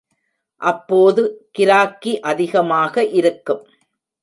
அப்போது கிராக்கி அதிகமாக இருக்கும்.